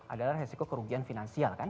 adalah resiko kerugian finansial kan